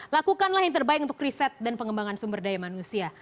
lakukanlah yang terbaik untuk riset dan pengembangan sumber daya manusia